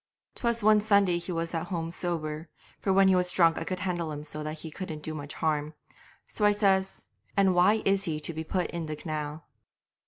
'Twas one Sunday that he was at home sober for when he was drunk I could handle him so that he couldn't do much harm. So says I, "And why is he to be put in the canal?"